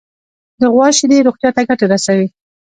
د غوا شیدې روغتیا ته ګټه رسوي.